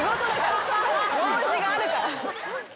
用事があるから。